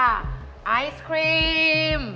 ไอศครีม